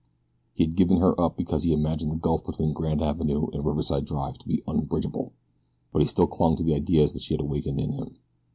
He had given her up because he imagined the gulf between Grand Avenue and Riverside Drive to be unbridgeable; but he still clung to the ideals she had awakened in him.